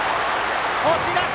押し出し！